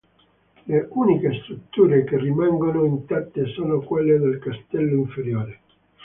Le uniche strutture che rimangono intatte sono quelle del castello inferiore.